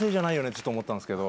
ちょっと思ったんですけど。